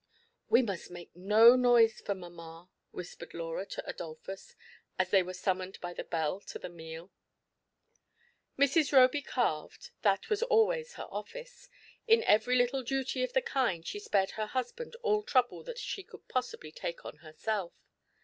"We must make no noise for mamma," whispered Laura to Adolphus, as they were summoned by the bell to the meaL Mrs. Roby carved — that was always her office; in every little duty of the kind she spared her husband all trouble that she could possibly take on herself.